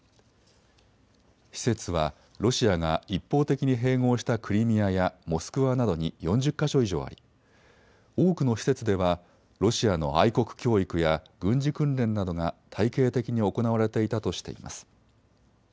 施設はロシアが一方的に併合したクリミアやモスクワなどに４０か所以上あり、多くの施設ではロシアの愛国教育や軍事訓練などが体系的に行われていたとしています。